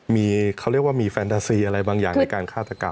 มีเขาเรียกว่ามีแฟนตาซีอะไรบางอย่างในการฆาตกรรม